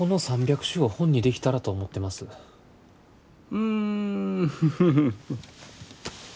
うんフフフフ。